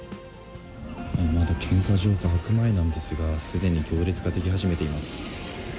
まだ検査場が開く前なんですが、すでに行列が出来始めています。